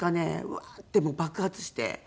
ワーッて爆発して。